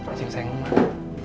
aceh yang sayang emak